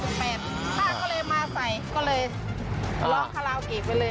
ป้าก็เลยมาใส่ก็เลยร้องคาราโอเกะไปเลย